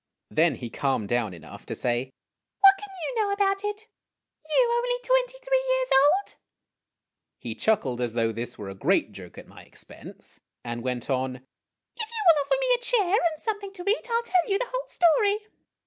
Then he calmed down enough to O say, " What can you know about it? You only twenty three years old !" He chuckled as though this were a great joke at my ex pense, and went on, "If you will offer me a chair and something to eat, I '11 tell you the whole story."